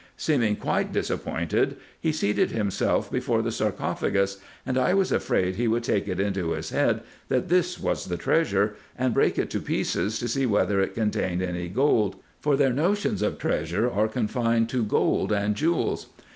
Seeming quite dis appointed, he seated himself before the sarcophagus, and I was afraid he would take it into his head, that this was the treasure, and break it to pieces, to see whether it contained any gold ; for their notions of treasure are confined to gold and jewels.